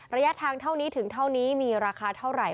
ระยะทางเท่านี้ถึงเท่านี้มีราคาเท่าไหร่